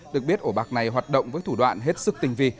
được biết ổ bạc này hoạt động với thủ đoạn hết sức tình vi